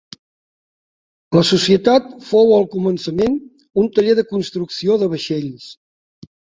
La societat fou al començament un taller de construcció de vaixells.